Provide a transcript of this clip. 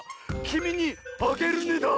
「きみにあげるね」だ！